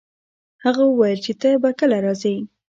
هغه وویل چي ته به کله راځي؟